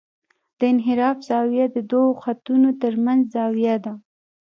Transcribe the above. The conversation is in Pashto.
د انحراف زاویه د دوه خطونو ترمنځ زاویه ده